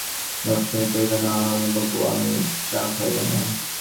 নলিনাক্ষ কহিল, না অন্নদাবাবু, আমি চা খাইব না।